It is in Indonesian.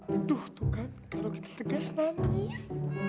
aduh tuh kan kalau kita tegas nangis